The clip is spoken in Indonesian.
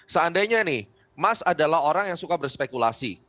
seandainya nih mas adalah orang yang suka berspekulasi